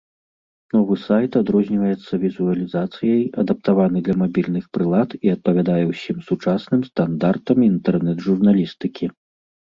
Новы сайт адрозніваецца візуалізацыяй, адаптаваны для мабільных прылад і адпавядае ўсім сучасным стандартам інтэрнэт-журналістыкі.